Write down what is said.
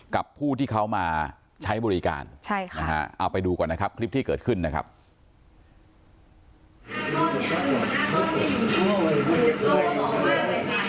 กับผู้ที่เขามาใช้บริการใช่ค่ะนะฮะเอาไปดูก่อนนะครับคลิปที่เกิดขึ้นนะครับ